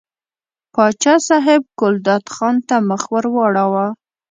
پاچا صاحب ګلداد خان ته مخ ور واړاوه.